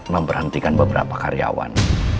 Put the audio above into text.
memberhentikan beberapa karyawan